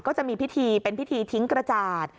ก็จะมีพิธีเป็นพิธีทิ้งกระจาด